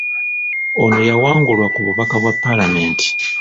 Ono yawangulwa ku bubaka bwa Paalamenti.